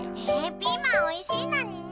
ピーマンおいしいのにね。